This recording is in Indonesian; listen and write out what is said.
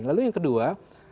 lalu yang kedua